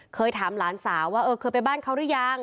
เคยถามหลานสาวว่าเออเคยไปบ้านเขาหรือยัง